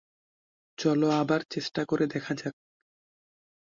চলো আবার চেষ্টা করে দেখা যাক।